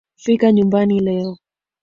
Fika nyumbani leo